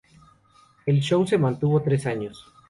El show se mantuvo tres años.